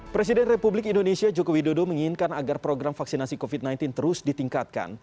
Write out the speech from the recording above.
presiden republik indonesia joko widodo menginginkan agar program vaksinasi covid sembilan belas terus ditingkatkan